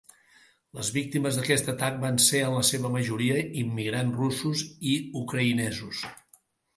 Les víctimes d'aquest atac van ser en la seva majoria immigrants russos i ucraïnesos.